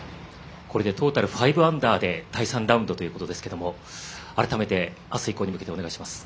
これでトータル５アンダーで第３ラウンドということですが改めて、明日以降に向けてお願いします。